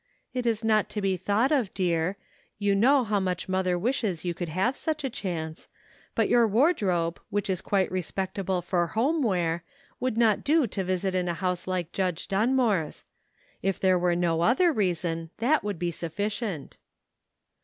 " It is not to be thought of, dear. You know how much mother wishes you could have such a chance ; but your v/ardrobe, which is quite respectable for home wear, would not do to visit in a house like Judge Dunmore's. If there were no other reason, that would be sufficient."